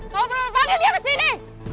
kau perlu panggil dia kesini